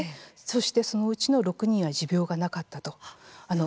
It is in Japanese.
そして、そのうちの６人は持病がなかったと。